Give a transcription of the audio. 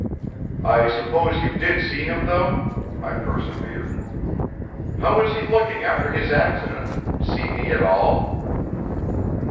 "I suppose you did see him though?" I persevered. "How was he looking after his accident seedy at all?"